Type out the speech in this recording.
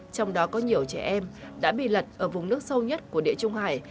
trong đó có nhiều trẻ em đã bị lật ở vùng nước sâu nhất của địa trung hải